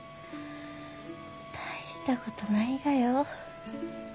大したことないがよ。